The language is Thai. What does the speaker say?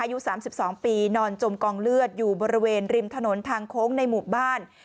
อายุ๓๒ปีนอนจมกองเลือดอยู่บริเวณริมถนนทางโค้งในหมู่บ้าน